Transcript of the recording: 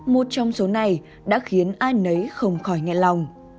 một trong số này đã khiến ai nấy không khỏi nhẹ lòng